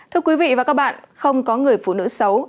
thưa quý vị và các bạn không có người phụ nữ xấu